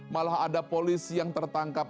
malah ada polisi yang tertangkap